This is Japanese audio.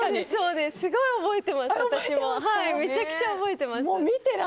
すごい覚えてます、私も。